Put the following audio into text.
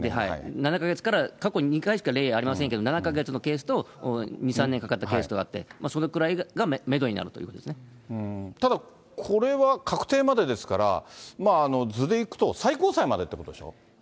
７か月か、過去２回しかありませんが、７か月のケースと、２、３年かかったケースとがあって、それくらいがメドになるというこただ、これは確定までですから、図でいくと、最高裁までっていうことでしょ。